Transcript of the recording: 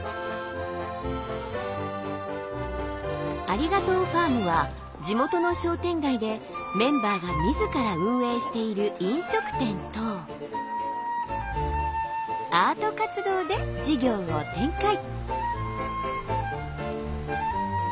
ありがとうファームは地元の商店街でメンバーが自ら運営している飲食店とアート活動で事業を展開。